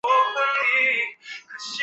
毕业后通过英文教学和报纸编辑维生。